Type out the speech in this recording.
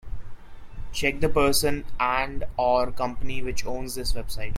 Check the person and/or company who owns this website.